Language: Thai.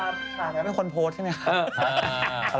เท่านั้นเวล่าแผ่นเลยไม่คนโพสต์ใช่ไหมครับ